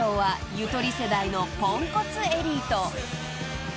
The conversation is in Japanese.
ゆとり世代のポンコツエリート］